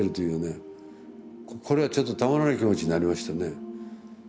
これはちょっとたまらない気持ちになりましたね。